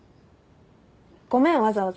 ごめんわざわざ。